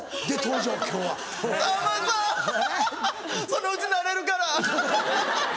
そのうち慣れるから。